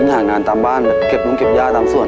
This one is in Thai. ต้องห้องหางานตามบ้านเก็บมุมเก็บย่าตามส่วน